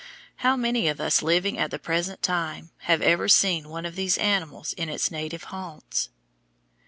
How many of us living at the present time have ever seen one of these animals in its native haunts?